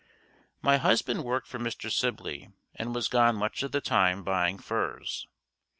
My husband worked for Mr. Sibley and was gone much of the time buying furs.